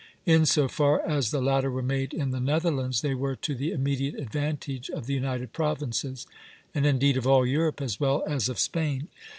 In so far as the latter were made in the Netherlands, they were to the immediate advantage of the United Provinces, and indeed of all Europe as well as of Spain.